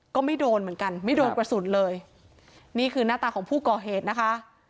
ก็ไม่โดนเหมือนกันไม่โดนกระสุนเลยนี่คือหน้าตาของผู้ก่อเหตุนะคะ